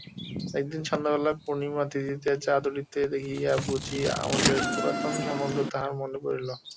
একদিন সন্ধ্যাবেলা পূর্ণিমা তিথিতে চাঁদ উঠিতে দেখিয়া বুঝি আমাদের পুরাতন সম্বন্ধ তাহার মনে পড়িল।